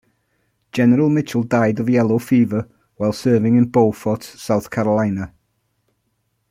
General Mitchel died of yellow fever while serving in Beaufort, South Carolina.